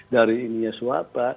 dari ininya siapa